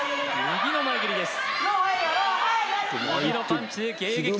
右の前蹴りです。